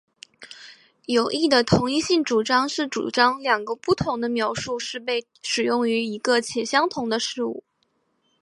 有益的同一性主张是主张两个不同的描述是被使用于一个且相同的事物。